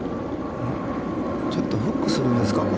ちょっとフックするんですか、これ。